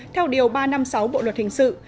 theo điều ba trăm năm mươi sáu bộ luật hình sự